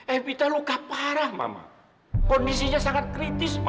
evita luka parah mama kondisinya sangat kritis